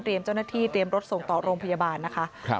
เจ้าหน้าที่เตรียมรถส่งต่อโรงพยาบาลนะคะ